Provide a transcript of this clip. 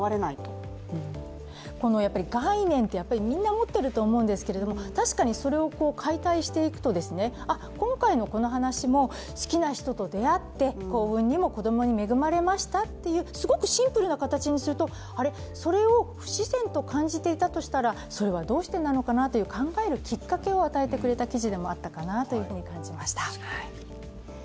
概念って、みんな持ってると思うんですけど確かにそれを解体していくと、今回のこの話も、好きな人と出会って、幸運にも子供に恵まれましたっていうすごくシンプルな形にするとそれを不自然と感じていたとしたらそれはどうしてなのかなと考えるきっかけを与えてくれた記事なのかなとも感じました。